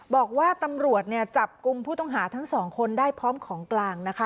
บอกว่าตำรวจเนี่ยจับกลุ่มผู้ต้องหาทั้งสองคนได้พร้อมของกลางนะคะ